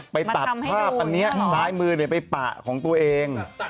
มันทำให้ดูแถบนี้ซ้ายมือไปปะของตัวเอง